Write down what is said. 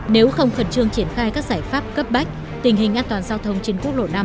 nếu không khẩn trương triển khai các giải pháp cấp bách tình hình an toàn giao thông trên quốc lộ năm